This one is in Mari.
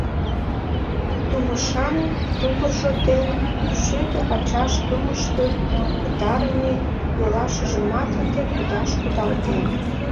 Тумышан тувыржо ден шӱдӧ пачаш тумыштыл пытарыме йолашыжымат ынде кудаш кудалтен.